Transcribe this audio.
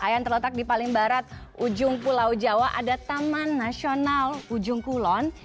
yang terletak di paling barat ujung pulau jawa ada taman nasional ujung kulon